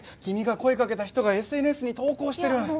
君が声かけた人がＳＮＳに投稿してる